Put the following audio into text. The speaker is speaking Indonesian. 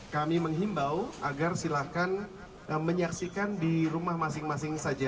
kami menghimbau agar silahkan menyaksikan di rumah masing masing saja